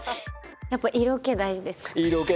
やっぱ色気大事ですか？